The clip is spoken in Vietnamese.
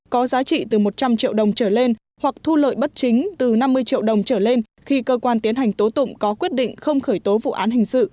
có giá trị từ một trăm linh triệu đồng trở lên hoặc thu lợi bất chính từ năm mươi triệu đồng trở lên khi cơ quan tiến hành tố tụng có quyết định không khởi tố vụ án hình sự